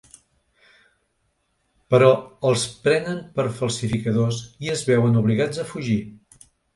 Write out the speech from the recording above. Però els prenen per falsificadors i es veuen obligats a fugir.